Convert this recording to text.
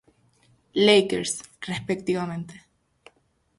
Lakers respectivamente.